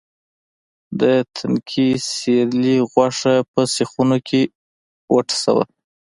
د تنکي سېرلي غوښه په سیخونو کې وټسوه.